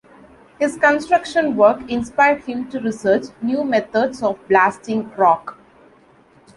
His construction work inspired him to research new methods of blasting rock.